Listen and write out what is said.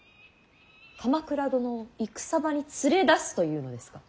鎌倉殿を戦場に連れ出すというのですか。